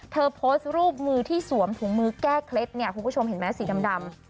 โพสต์รูปมือที่สวมถุงมือแก้เคล็ดเนี่ยคุณผู้ชมเห็นไหมสีดำ